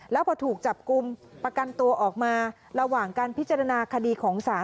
แล้วพอถูกจับกลุ่มประกันตัวออกมาระหว่างการพิจารณาคดีของศาล